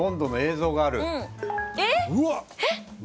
うわっ！